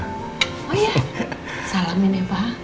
oh iya salamin ya pak